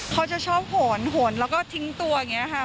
เขาจะชอบโหนหนแล้วก็ทิ้งตัวอย่างนี้ค่ะ